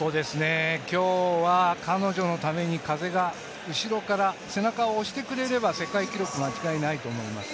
今日は彼女のために風が後ろから、背中を押してくれれば世界記録間違いないと思います。